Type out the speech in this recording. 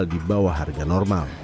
di bawah harga normal